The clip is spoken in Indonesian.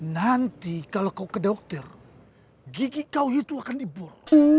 nanti kalau kau ke dokter gigi kau itu akan dibul